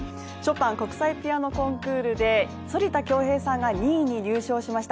国際ピアノコンクールで反田恭平さんが２位に入賞しました。